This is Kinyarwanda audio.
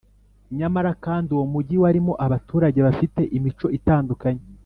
nyamara kandi uwo mugi warimo abaturage bafite imico itandukanye